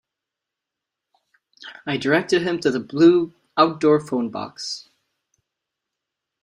I directed him to the blue outdoor phone box.